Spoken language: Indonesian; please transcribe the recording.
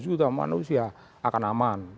seratus juta manusia akan aman